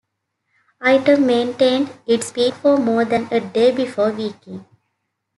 Item maintained its peak for more than a day before weakening.